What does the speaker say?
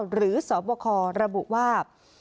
หรือสวบคอระบุว่า